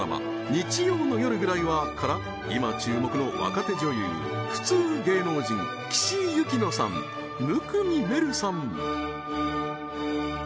日曜の夜ぐらいは．．．から今注目の若手女優普通芸能人岸井ゆきのさん生見愛瑠さん